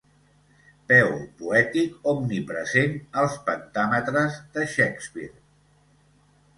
Peu poètic omnipresent als pentàmetres de Shakespeare.